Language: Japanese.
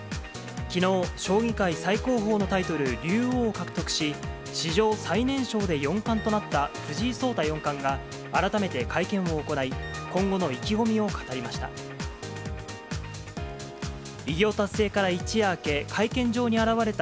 きのう、将棋界最高峰のタイトル、竜王を獲得し、史上最年少で四冠となった藤井聡太四冠が、改めて会見を行い、今後の意気込みを語りました。